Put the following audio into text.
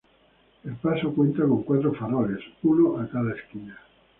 El paso cuenta con cuatro faroles, uno a cada esquina.